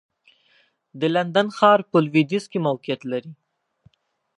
د لندن ښار په لوېدیځ کې موقعیت لري.